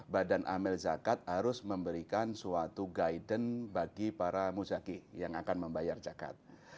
badan amel zakat harus memberikan suatu guidance bagi para muzaki yang akan membayar zakat